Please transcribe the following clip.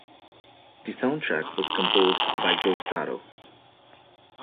The soundtrack was composed by Go Sato.